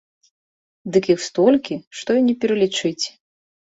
Дык іх столькі, што і не пералічыць.